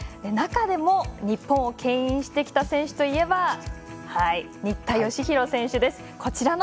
中でも日本をけん引してきた選手といえば新田佳浩選手です。